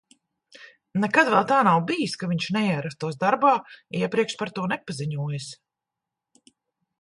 Nekad vēl tā nav bijis, ka viņš neierastos darbā, iepriekš par to nepaziņojis.